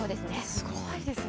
すごいですね。